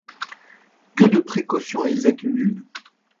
Que de précautions elles accumulent !